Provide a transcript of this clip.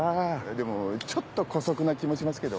でもちょっと姑息な気もしますけど。